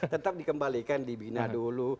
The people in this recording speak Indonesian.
tetap dikembalikan dibina dulu